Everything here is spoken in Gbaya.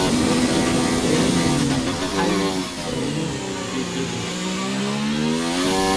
Ɓɛɛ́ nɛ mii háí nɛ́ɛ́ gɛgɛɗɛ.